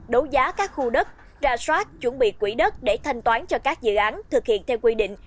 đấu giá các khu đất ra soát chuẩn bị quỹ đất để thanh toán cho các dự án thực hiện theo quy định